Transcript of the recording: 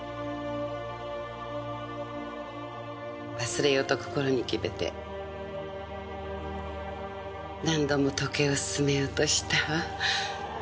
忘れようと心に決めて何度も時計を進めようとしたわ。